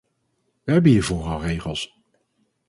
We hebben hiervoor al regels.